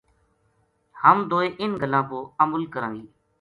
ہم دوئے اِنھ گلاں پو عمل کراں گی